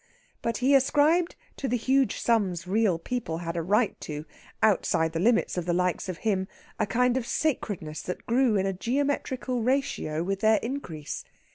But he ascribed to the huge sums real people had a right to, outside the limits of the likes of him, a kind of sacredness that grew in a geometrical ratio with their increase.